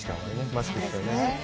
マスクしてね。